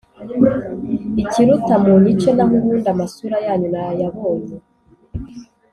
ikiruta munyice nahubundi amasura yanyu nayabonye.